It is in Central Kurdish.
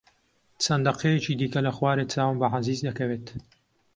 چەند دەقەیەکی دیکە لە خوارێ چاوم بە عەزیز دەکەوێت.